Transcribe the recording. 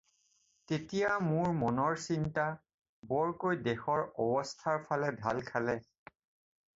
তেতিয়া মোৰ মনৰ চিন্তা বৰকৈ দেশৰ অৱস্থাৰ ফালে ঢাল খালে